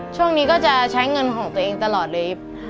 ช่วงนี้ก็จะใช้เงินของตัวเองตลอดเลย